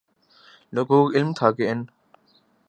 لوگوں کو علم تھا کہ ان